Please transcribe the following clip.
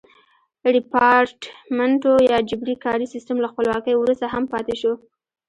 ریپارټمنټو یا جبري کاري سیستم له خپلواکۍ وروسته هم پاتې شو.